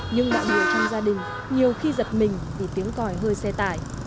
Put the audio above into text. nhưng đại biểu trong gia đình nhiều khi giật mình vì tiếng còi hơi xe tải